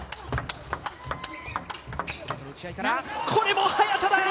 これも早田だ！